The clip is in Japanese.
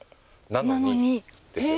なのにですよね。